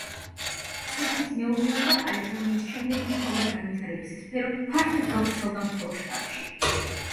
სოფლის მეურნეობა, კალიფორნიის შემდეგი მთავარი განვითარების სფერო, ფართოდ გავრცელდა მთელ შტატში.